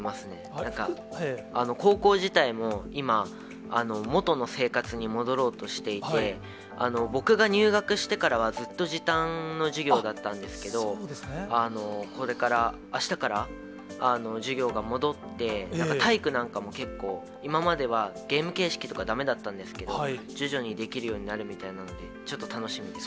なんか、高校自体も今、元の生活に戻ろうとしていて、僕が入学してからは、ずっと時短の授業だったんですけど、これから、あしたから、授業が戻って、体育なんかも結構、今まではゲーム形式とか、だめだったんですけど、徐々にできるようになるみたいなので、ちょっと楽しみです。